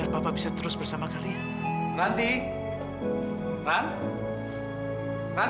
bapak bisa mendapatkan pernikahan